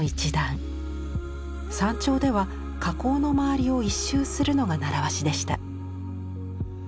山頂では火口の周りを一周するのが習わしでした。